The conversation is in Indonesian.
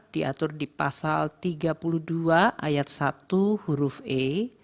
di atur pada pasal tiga puluh dua ayat satu huruf e